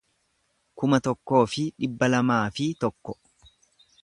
kuma tokkoo fi dhibba lamaa fi tokko